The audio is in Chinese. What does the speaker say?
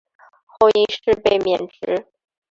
后因事被免职。